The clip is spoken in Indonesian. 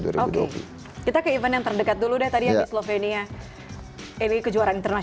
oke kita ke event yang terdekat dulu deh tadi ya di slovenia